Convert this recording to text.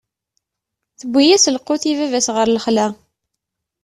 Tewwi-yas lqut i baba-s ɣer lexla.